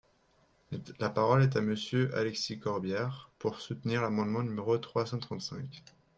La parole est à Monsieur Alexis Corbière, pour soutenir l’amendement numéro trois cent trente-cinq.